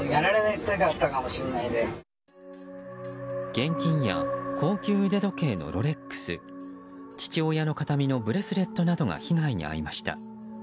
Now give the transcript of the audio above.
現金や高級腕時計のロレックス父親の形見のブレスレットなどが被害に遭いました。